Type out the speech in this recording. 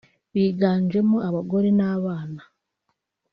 biganjemo abagore n’abana